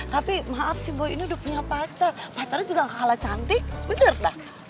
tapi maaf sih boy ini udah punya pacar patternya juga kalah cantik bener dah